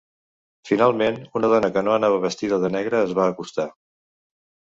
Finalment, una dona que no anava vestida de negre es va acostar.